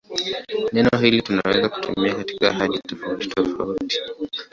Neno hili tunaweza kutumia katika hali tofautitofauti.